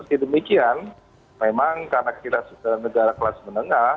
meski demikian memang karena kita negara kelas menengah